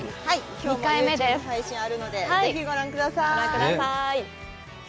きょうも配信あるのでぜひご覧ください。